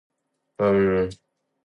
读到这段文字的人要天天开心哦